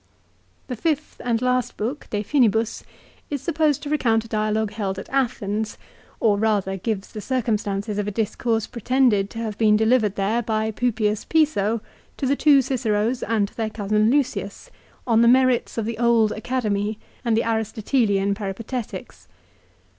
The fifth and last book "De Finibus " is supposed to recount a dialogue held at Athens, or rather gives the circumstances of a discourse pretended to have been delivered there by Pupius Piso to the two Ciceros and to their cousin Lucius, on the merits of the old Academy and the Aristotelian Peripa tetics.